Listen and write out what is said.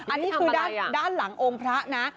อันนี้คือด้านหลังองค์พระนะ